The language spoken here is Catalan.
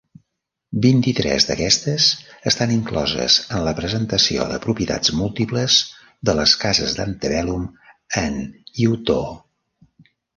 Vint-i-tres d'aquestes estan incloses en la presentació de propietats múltiples de les cases d'Antebellum en Eutaw.